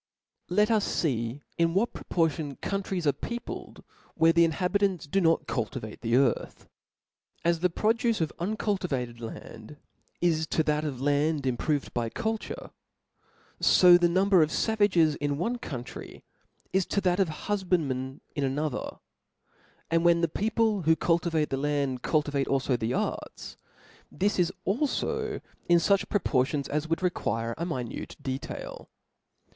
T E T us fee in what proportion countries are 4—' peopkd, where the inhabitants do not culti vate the earth. As the produce of uncultivated land, is to that of land improved by culture ; fo the number of favages in one country, is to that of hufbandmen in another : and when the peopje who cultivate the land, cukivate alfo the arts, this is alfo in fuch proportions as would vt^ quire a minute detail.